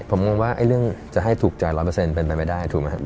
ผมงงว่าเรื่องจะให้ถูกใจ๑๐๐เป็นไปไม่ได้ถูกไหมครับ